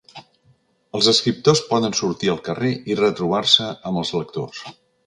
Els escriptors poden sortir al carrer i retrobar-se amb els lectors.